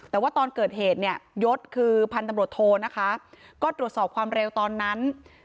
แต่ว่าตอนเกิดเหตุเนี่ยยศคือพันธุ์ตำรวจโทนะคะก็ตรวจสอบความเร็วตอนนั้น